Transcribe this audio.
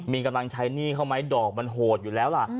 มีกำลังใช้หนี้เขาไหมดอกมันโหดอยู่แล้วล่ะ